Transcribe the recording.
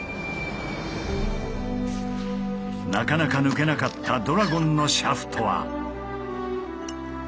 なかなか抜けなかったドラゴンのシャフトは。